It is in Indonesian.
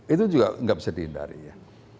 itu juga nggak bisa dihindari ya